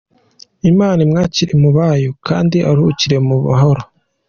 Imana imwakire mu bayo kandi aruhukire mu mahoro !!.